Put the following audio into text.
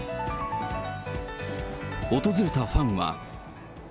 訪れたファンは。